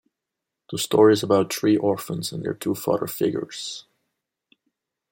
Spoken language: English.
The story is about three orphans and their two father figures.